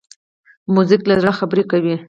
موزیک له زړه خبرې کوي.